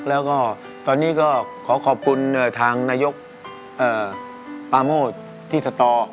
แล้วก็ตอนนี้ก็ขอขอบคุณทางนายกปาโมทที่สต